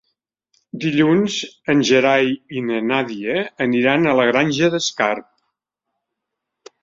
Dilluns en Gerai i na Nàdia aniran a la Granja d'Escarp.